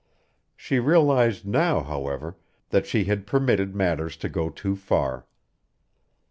She realized now, however, that she had permitted matters to go too far.